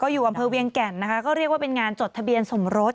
อยู่อำเภอเวียงแก่นนะคะก็เรียกว่าเป็นงานจดทะเบียนสมรส